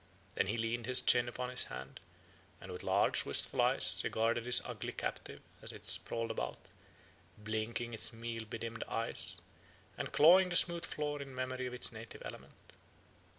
Then he leaned his chin upon his hand, and with large, wistful eyes regarded his ugly captive as it sprawled about, blinking its meal bedimmed eyes, and clawing the smooth floor in memory of its native element.